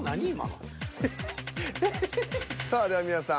さあでは皆さん。